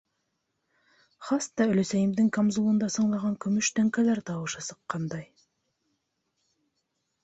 Хас та өләсәйемдең камзулында сыңлаған көмөш тәңкәләр тауышы сыҡҡандай.